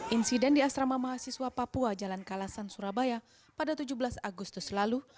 insiden di asrama mahasiswa papua jalan kalasan surabaya pada tujuh belas agustus lalu